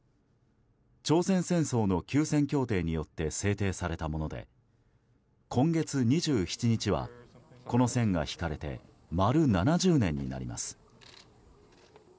朝鮮戦争の休戦協定によって制定されたもので今月２７日は、この線が引かれて丸７０年になります。